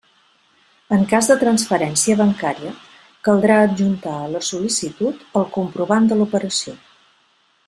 En cas de transferència bancària caldrà adjuntar a la sol·licitud el comprovant de l'operació.